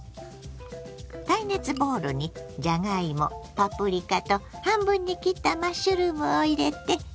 耐熱ボウルにじゃがいもパプリカと半分に切ったマッシュルームを入れて。